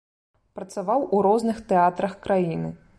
Працаваў у розных тэатрах краіны.